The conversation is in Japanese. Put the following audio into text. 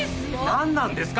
何なんですか？